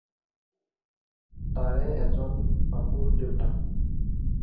তাৰে এজন বাপুৰ দেউতাক।